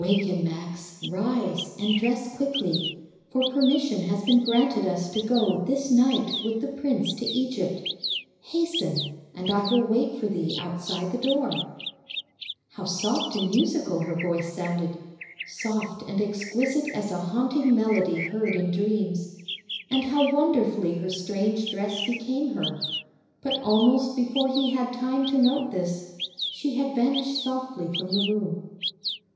"Waken, Max, rise and dress quickly; for permission has been granted us to go this night with the prince to Egypt. Hasten, and I will wait for thee outside the door." How soft and musical her voice sounded! Soft and exquisite as a haunting melody heard in dreams. And how wonderfully her strange dress became her! But almost before he had time to note this, she had vanished softly from the room.